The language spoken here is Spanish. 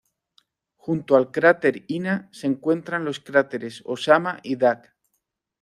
Junto al cráter Ina se encuentran los cráteres Osama y Dag.